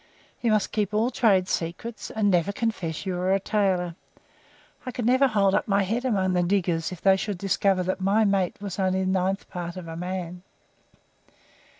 You must keep all trade secrets, and never confess you are a tailor. I could never hold up my head among the diggers if they should discover that my mate was only the ninth part of a man.